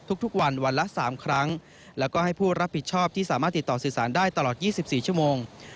ทุกวันวันละ๓ครั้งแล้วก็ให้ผู้รับผิดชอบที่สามารถติดต่อสื่อสารได้ตลอด๒๔ชั่วโมง